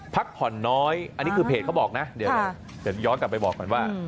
พักผ่อนน้อยอันนี้คือเพจเขาบอกนะเดี๋ยวจะย้อนกลับไปบอกก่อนว่า